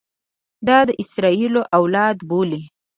د اسراییلو اولاده بولي.